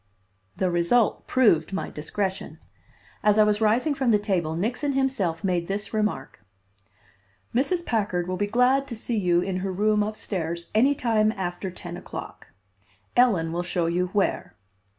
The result proved my discretion. As I was rising from the table Nixon himself made this remark: "Mrs. Packard will be glad to see you in her room up stairs any time after ten o'clock. Ellen will show you where."